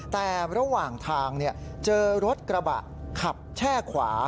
แต่ระหว่างทางเจอรถกระบะขับแช่ขวา